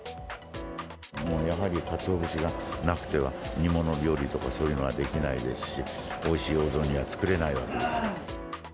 やはりかつお節がなくては、煮物料理とかそういうのはできないですし、おいしいお雑煮が作れないわけです。